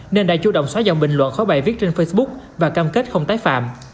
nên đã chủ động xóa dòng bình luận khó bài viết trên facebook và cam kết không tái phạm